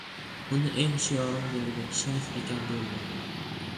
Uni el shoirim derdi. Shayx akam, derdi.